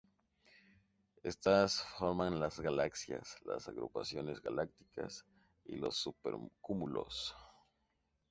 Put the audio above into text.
Estas forman las galaxias, las agrupaciones galácticas y los supercúmulos.